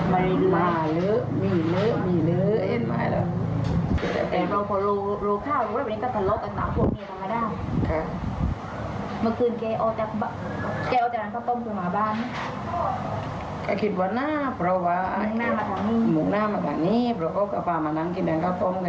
เมื่อคืนแกเอาแกรงข้าวต้มมาบ้าน